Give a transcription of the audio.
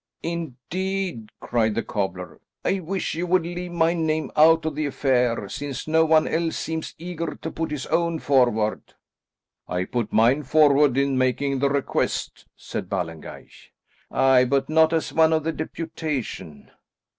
"Indeed," cried the cobbler, "I wish you would leave my name out of the affair, since no one else seems eager to put his own forward." "I put mine forward in making the request," said Ballengeich. "Aye, but not as one of the deputation."